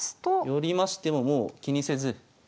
寄りましてももう気にせず。